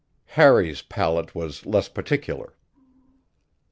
Harry's palate was less particular.